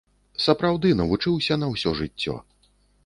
Сапраўды навучыўся на ўсё жыццё.